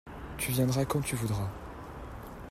Tu viendras quand tu voudras.